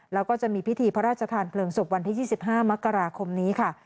แล้วก็จะมีพิธีพระราชทานเพลิงศพวันที่๒๕มกราคมนี้ค่ะ